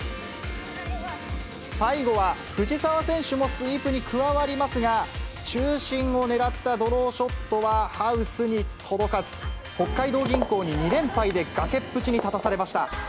最後は藤澤選手もスイープに加わりますが、中心を狙ったドローショットはハウスに届かず、北海道銀行に２連敗で崖っぷちに立たされました。